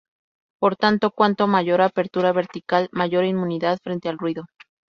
Por tanto, cuanto mayor apertura vertical, mayor inmunidad frente al ruido.